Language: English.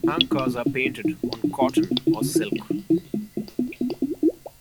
Thangkas are painted on cotton or silk.